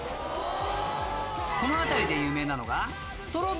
この辺りで有名なのが。